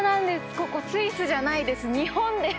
ここスイスじゃないです日本です！